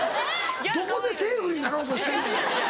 どこでセーフになろうとしてんねん。